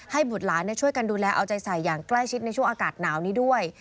บุตรหลานช่วยกันดูแลเอาใจใส่อย่างใกล้ชิดในช่วงอากาศหนาวนี้ด้วย